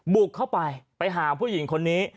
บุกเข้าไปไปหาผู้หญิงคนนี้